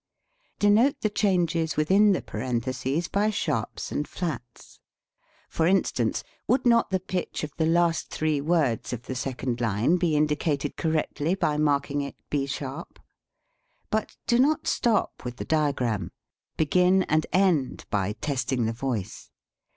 Denote the changes within the parentheses by sharps and flats. 5 STUDY IN CHANGE OF PfTCH For instance, would not the pitch of the last three words of the second line be indicated correctly by marking it B sharp? But do not stop with the diagram. Begin and end by testing the voice.